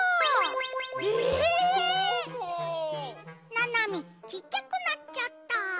ななみちっちゃくなっちゃった。